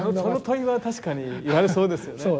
その問いは確かに言われそうですよね。